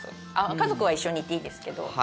家族は一緒にいていいですけど。